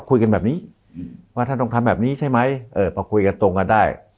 คุยกันแบบนี้ว่าท่านต้องทำแบบนี้ใช่ไหมเออพอคุยกันตรงกันได้